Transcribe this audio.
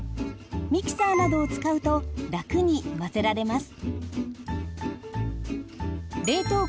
ミキサーなどを使うと楽に混ぜられます。